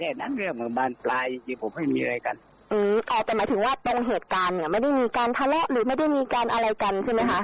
อือแต่หมายถึงว่าเป็นเหตุการณ์เหมือนกันไม่ได้มีการทะเลาะหรือไม่ได้มีการอะไรกันใช่มั้ยคะ